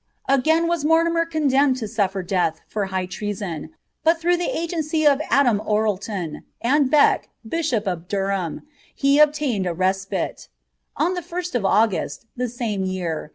Again iraa ttoO^ nier condemned to euifer death for high treason, but through tlteagM<} of Adam Orleton, and Beck, bishop of Durham, he obiaineil « mM. On the Ist of August, the same year.